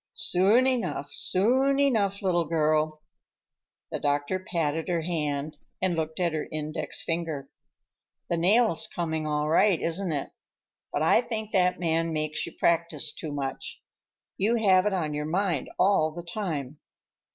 "Soon enough, soon enough, little girl." The doctor patted her hand and looked at her index finger. "The nail's coming all right, isn't it? But I think that man makes you practice too much. You have it on your mind all the time."